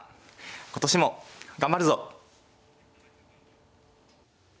今年も頑張るぞ！